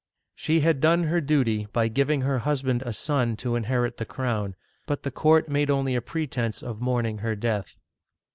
She had done her duty by giving her husband a son to in herit the crown ; but the court made only a pretense of mourning her death.